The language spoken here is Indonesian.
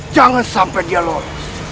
jangan sampai dia lolos